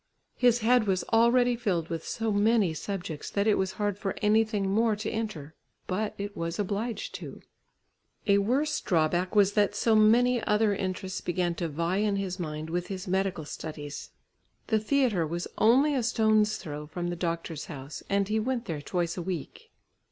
His head was already filled with so many subjects, that it was hard for anything more to enter, but it was obliged to. A worse drawback was that so many other interests began to vie in his mind with his medical studies. The theatre was only a stone's throw from the doctor's house and he went there twice a week.